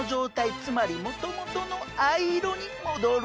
つまりもともとの藍色に戻るんです。